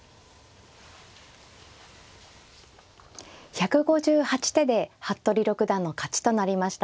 １５８手で服部六段の勝ちとなりました。